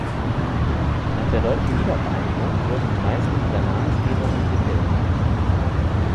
Nach der Deutschen Wiedervereinigung wurden die meisten dieser Namensgebungen getilgt.